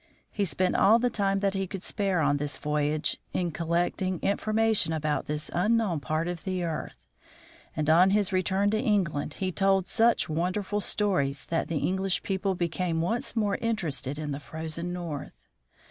He spent all the time that he could spare on this voyage in collecting in formation about this unknown part of the earth, and on his return to England, he told such wonderful stories that the English people became once more interested in the frozen North.